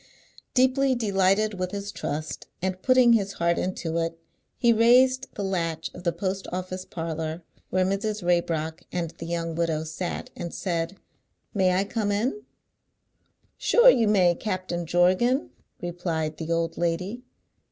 Deeply delighted with his trust, and putting his heart into it, he raised the latch of the post office parlour where Mrs. Raybrock and the young widow sat, and said, "May I come in?" "Sure you may, Captain Jorgan!" replied the old lady.